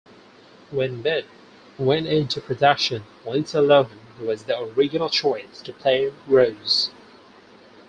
When "Bette" went into production, Lindsay Lohan was the original choice to play Rose.